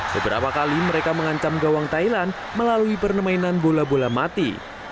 beberapa kali mereka mengancam gawang thailand melalui pernemainan bola bola mati